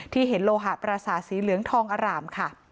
ที่เห็นโลหะประสาทสีเหลืองทองอร่ามค่ะ